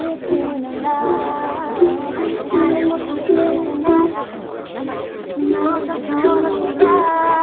「誰も気付いていない昨日と今日の違い」